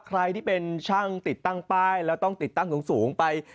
ใครที่เป็นช่างติดตั้งป้ายแล้วต้องติดตั้งสูงไป